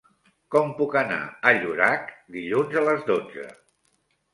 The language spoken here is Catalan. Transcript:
Com puc anar a Llorac dilluns a les dotze?